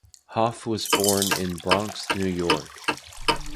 Hoff was born in Bronx, New York.